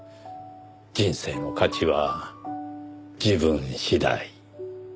人生の価値は自分次第。